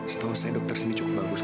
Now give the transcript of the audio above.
setahu saya dokter sini cukup bagus